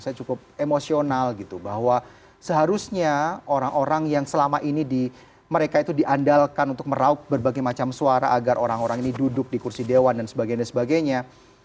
saya cukup emosional gitu bahwa seharusnya orang orang yang selama ini mereka itu diandalkan untuk meraup berbagai macam suara agar orang orang ini duduk di kursi dewan dan sebagainya